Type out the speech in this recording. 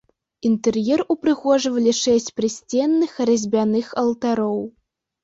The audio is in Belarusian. Інтэр'ер упрыгожвалі шэсць прысценных разьбяных алтароў.